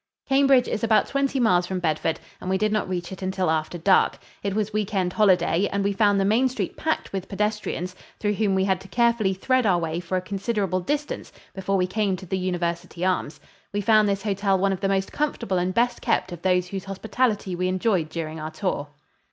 Cambridge is about twenty miles from Bedford, and we did not reach it until after dark. It was Week End holiday, and we found the main street packed with pedestrians, through whom we had to carefully thread our way for a considerable distance before we came to the University Arms. We found this hotel one of the most comfortable and best kept of those whose hospitality we enjoyed during our tour.